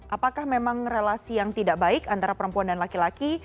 apakah memang relasi yang tidak baik antara perempuan dan laki laki